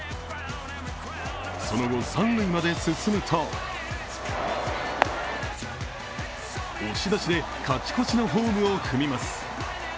その後、三塁まで進むと押し出しで勝ち越しのホームを踏みます。